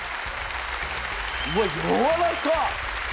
うわっやわらかっ！